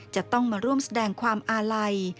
จะต้องมาร่วมแสดงความอาลัย